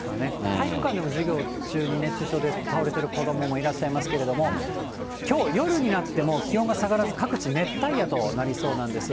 体育館でも授業中に熱中症で倒れてる子どももいらっしゃいますけども、きょう夜になっても気温が下がらず、各地、熱帯夜となりそうなんです。